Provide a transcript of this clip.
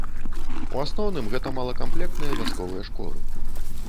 У асноўным, гэта малакамплектныя вясковыя школы.